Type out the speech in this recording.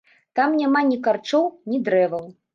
Там няма ні карчоў, ні дрэваў.